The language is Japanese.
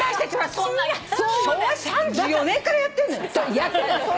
昭和３４年からやってんのよ。